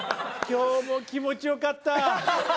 今日も気持ちよかった。